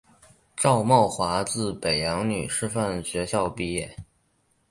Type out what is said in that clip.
赵懋华自北洋女师范学校毕业。